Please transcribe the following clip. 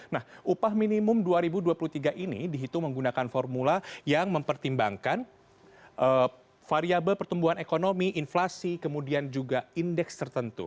nah upah minimum dua ribu dua puluh tiga ini dihitung menggunakan formula yang mempertimbangkan variable pertumbuhan ekonomi inflasi kemudian juga indeks tertentu